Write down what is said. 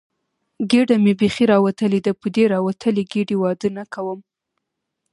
ګېډه مې بیخي راوتلې ده، په دې راوتلې ګېډې واده نه کوم.